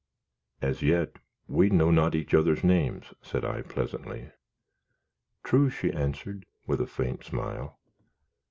"As yet, we know not each other's names," said I, pleasantly. "True," she answered, with a faint smile.